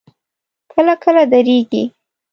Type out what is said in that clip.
کله کله درېږي.